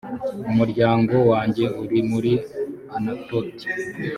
umuryango wanjye uri muri anatoti